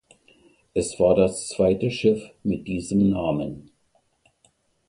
Es war das zweite Schiff mit diesem Namen.